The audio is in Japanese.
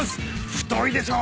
太いでしょ？